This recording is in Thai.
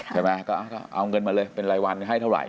ใช่ไหมก็เอาเงินมาเลยเป็นรายวันให้เท่าไห